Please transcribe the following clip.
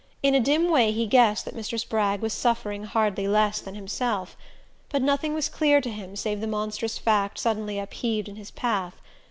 In a dim way he guessed that Mr. Spragg was suffering hardly less than himself. But nothing was clear to him save the monstrous fact suddenly upheaved in his path.